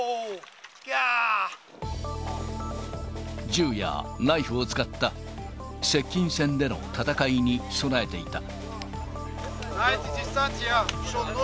銃やナイフを使った、接近戦での戦いに備えていた。